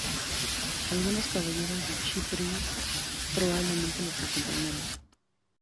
Algunos caballeros de Chipre probablemente los acompañaron.